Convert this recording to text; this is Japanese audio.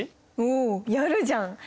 おやるじゃん。